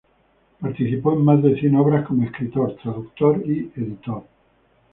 Participó en más de cien obras como escritor, traductor y editor.